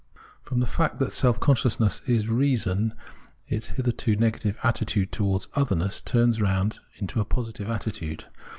From the fact that self consciousness is Reason, its hitherto negative attitude towards otherness turns round into a positive attitude.